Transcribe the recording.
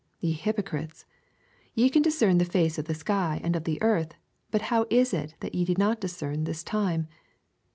56 Ye hypocrites, ye can discern the face of the sky and of the earth ; but how is it that ye do not discern . this time